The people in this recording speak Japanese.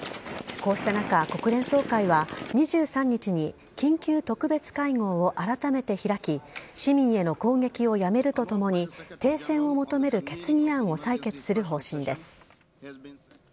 こうした中、国連総会は２３日に、緊急特別会合を改めて開き、市民への攻撃をやめるとともに、停戦を求める決議案を採決する方針です。